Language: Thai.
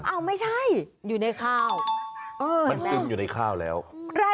อ้าวไม่ใช่อยู่ในข้าวมันซึมอยู่ในข้าวแล้ว